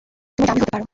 তুমি ডামি হতে পারো।